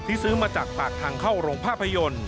ซื้อมาจากปากทางเข้าโรงภาพยนตร์